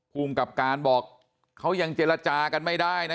ภูมิกับการบอกเขายังเจรจากันไม่ได้นะ